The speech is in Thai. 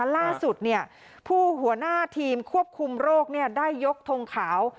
ล่าสุดผู้หัวหน้าทีมควบคุมโรคได้ยกทงขาว